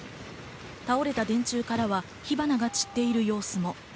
倒れた電柱からは火花が散っている様子も。